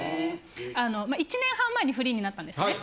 １年半前にフリーになったんですね。